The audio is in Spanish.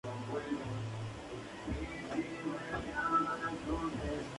Estas dos últimas clases cuentan con aire acondicionado y servicio de camareros.